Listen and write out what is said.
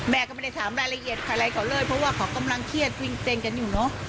แม่ก็ไม่ได้ถามรายละเอียดใครอะไรเขาเลยเพราะว่าเขากำลังเครียดวิ่งเต้นกันอยู่เนอะ